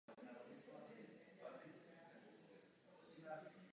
Uvnitř stavby je malé muzeum zaměřené na historii objektu.